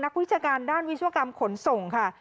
วิชาการด้านวิศวกรรมขนส่งค่ะ